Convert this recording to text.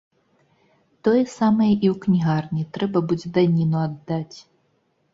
Тое самае і ў кнігарні трэба будзе даніну аддаць.